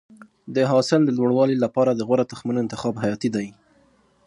د حاصل د لوړوالي لپاره د غوره تخمونو انتخاب حیاتي دی.